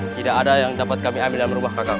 tidak ada yang dapat kami amin dalam rumah kakak